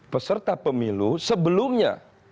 peserta pemilu sebelumnya